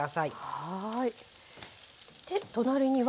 はい。